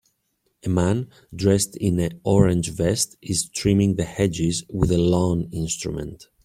A man, dressed in a orange vest is trimming the hedges with a lawn instrument.